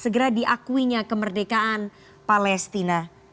segera diakuinya kemerdekaan palestina